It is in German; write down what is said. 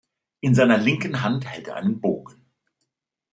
In seiner linken Hand hält er einen Bogen.